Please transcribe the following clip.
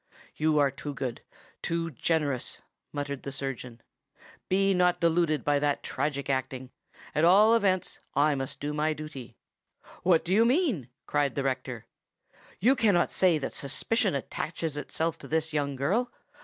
"You are too good—too generous," muttered the surgeon. "Be not deluded by that tragic acting. At all events I must do my duty." "What do you mean?" cried the rector. "You cannot say that suspicion attaches itself to this young girl.